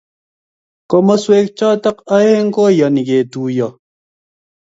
Komoswek choto aeng koiyani ketuiyo